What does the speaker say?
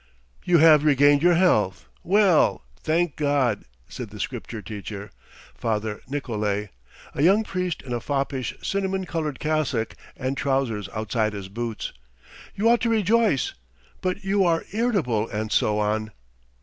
"You have regained your health, well, thank God," said the scripture teacher, Father Nikolay, a young priest in a foppish cinnamon coloured cassock and trousers outside his boots. "You ought to rejoice, but you are irritable and so on."